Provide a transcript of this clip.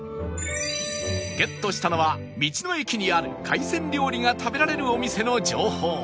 ゲットしたのは道の駅にある海鮮料理が食べられるお店の情報